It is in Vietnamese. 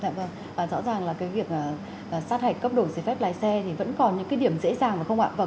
dạ vâng và rõ ràng là cái việc sát hạch cấp độ giấy phép lái xe thì vẫn còn những cái điểm dễ dàng phải không ạ